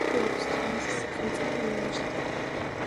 კლუბს ფლობს თბილისის სახელმწიფო უნივერსიტეტი.